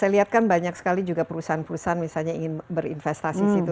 saya lihat kan banyak sekali juga perusahaan perusahaan misalnya ingin berinvestasi di situ